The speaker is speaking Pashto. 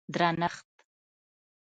درنښت